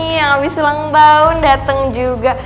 yang abis ulang tahun dateng juga